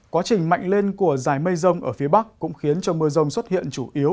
quá trình mạnh lên của dài mây rông ở phía bắc cũng khiến cho mưa rông xuất hiện chủ yếu